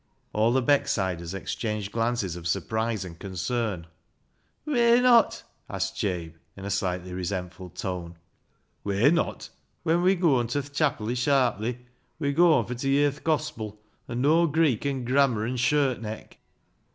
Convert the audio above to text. All the Becksiders exchanged glances of surprise and concern. " Whey not ?" asked Jabe, in a slightly re sentful tone. " Whey not ? When we goon ta th' chapil i' Sharpley we goon fur t' yer th' gospil, and no' Greek and grammar and shirt neck."